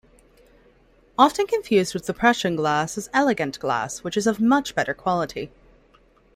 Often confused with Depression Glass is Elegant glass, which is of much better quality.